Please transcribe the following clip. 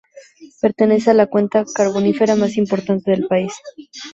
Pertenece a la cuenca carbonífera más importante del país.